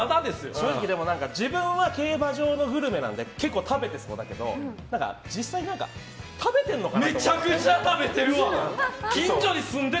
正直、自分は競馬場のグルメなので結構食べそうだけど実際何か食べてるのかな？